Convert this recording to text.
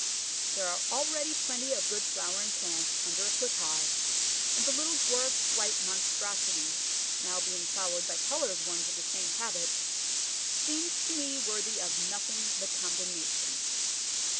There are already plenty of good flowering plants under a foot high, and the little dwarf white monstrosity, now being followed by coloured ones of the same habit, seems to me worthy of nothing but condemnation.